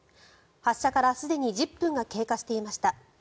発射からすでに１０分が経過していました。